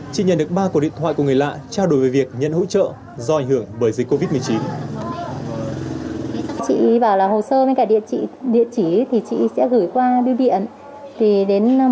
chị nhận được ba cuộc điện thoại của người lạ trao đổi về việc nhận hỗ trợ do ảnh hưởng bởi dịch covid một mươi chín